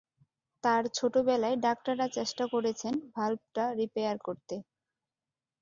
তার ছোটবেলায় ডাক্তাররা চেষ্টা করেছেন ভাল্বটা রিপেয়ার করতে।